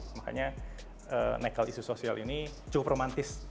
makanya nekal isu sosial ini cukup romantis